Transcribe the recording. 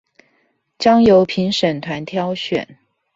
將由評審團挑選